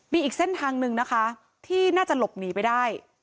มีอีกเส้นทางหนึ่งนะคะที่น่าจะหลบหนีไปได้